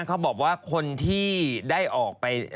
เขาบอกว่าคนที่ได้ออกไป